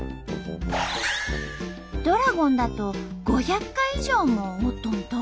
ドラゴンだと５００回以上も折っとんと！